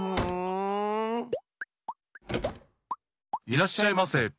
いらっしゃいませ！